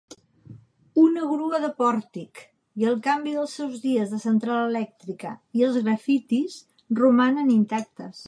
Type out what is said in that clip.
Una grua de pòrtic i el canvi dels seus dies de central elèctrica i els grafitis romanen intactes.